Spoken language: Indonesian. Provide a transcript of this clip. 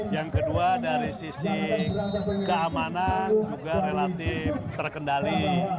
yang kedua dari sisi keamanan juga relatif terkendali